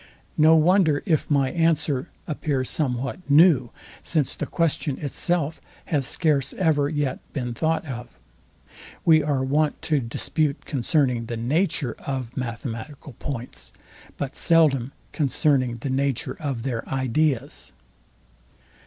No wonder if my answer appear somewhat new, since the question itself has scarce ever yet been thought of. We are wont to dispute concerning the nature of mathematical points, but seldom concerning the nature of their ideas.